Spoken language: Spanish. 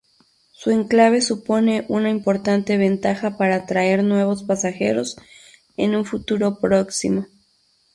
Su enclave supone una importante ventaja para atraer nuevos pasajeros en un futuro próximo.